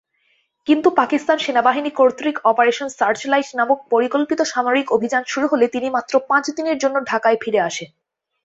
কিন্তু পাকিস্তান সেনাবাহিনী কর্তৃক অপারেশন সার্চলাইট নামক পরিকল্পিত সামরিক অভিযান শুরু হলে তিনি মাত্র পাঁচ দিনের জন্য ঢাকায় ফিরে আসেন।